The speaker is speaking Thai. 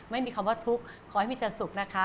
ไม่มีคำว่าทุกข์ขอให้มีแต่สุขนะคะ